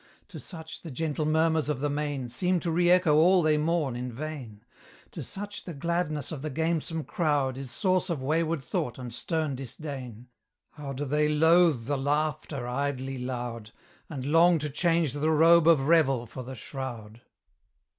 To such the gentle murmurs of the main Seem to re echo all they mourn in vain; To such the gladness of the gamesome crowd Is source of wayward thought and stern disdain: How do they loathe the laughter idly loud, And long to change the robe of revel for the shroud!